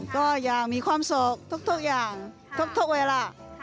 ก็อยากมีความสุขทุกอย่างทุกเวลา